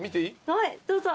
はいどうぞ。